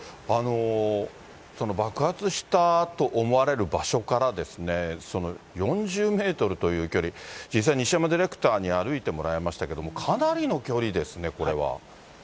爆発したと思われる場所からですね、４０メートルという距離、実際、西山ディレクターに歩いてもらいましたけれども、かなりの距離ですね、これは。